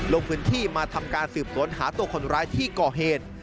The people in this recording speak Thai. ลงพื้นที่มาทำการสืบสวนหาตัวคนร้ายที่ก่อเหตุ